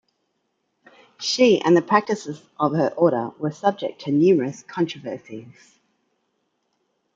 She and the practices of her order were subject to numerous controversies.